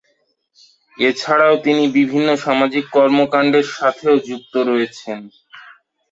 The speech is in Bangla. এছাড়াও তিনি বিভিন্ন সামাজিক কর্মকান্ডের সাথেও যুক্ত রয়েছেন।